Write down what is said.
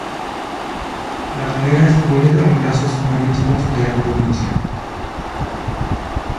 La galera simboliza los lazos marítimos de la provincia.